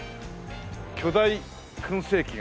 巨大燻製器がある。